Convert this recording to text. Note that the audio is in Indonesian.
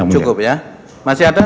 cukup ya masih ada